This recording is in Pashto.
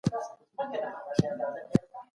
د پوهنې د پراختیا لپاره اوږد مهاله ستراتیژي نه وه.